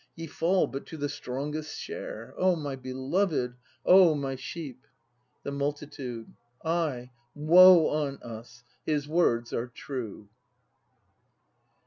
Ye fall but to the strongest's share. O my beloved! O my sheep! The Multitude. Ay, woe on us, — his words are true!